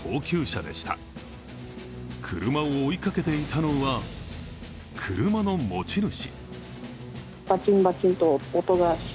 車を追いかけていたのは、車の持ち主。